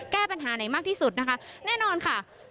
แก้ปัญหาไหนมากที่สุดนะคะแน่นอนค่ะ